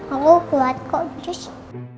aku buat kok cuci